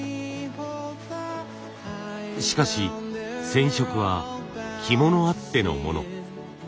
しかし染色は着物あってのもの。